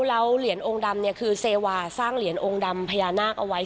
แล้วเหรียญองค์ดำเนี่ยคือเซวาสร้างเหรียญองค์ดำพญานาคเอาไว้